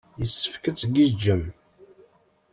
Yessefk ad tgiǧǧem.